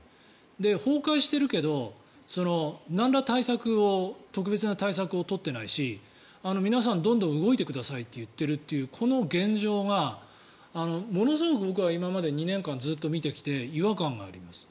崩壊しているけど、なんら対策を特別な対策を取っていないし皆さんどんどん動いてくださいって言っているというこの現状がものすごく僕は今まで２年間ずっと見てきて違和感があります。